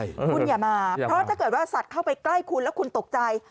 คุณอย่ามาเพราะถ้าเกิดว่าสัตว์เข้าไปใกล้คุณแล้วคุณตกใจ